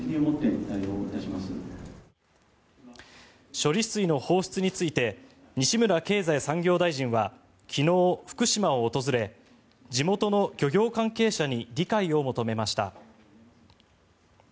処理水の放出について西村経済産業大臣は昨日、福島を訪れ地元の漁業関係者に理解を求めました。